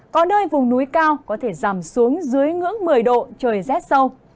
có nơi vùng núi cao có thể giảm xuống dưới ngưỡng một mươi độ trời rét sâu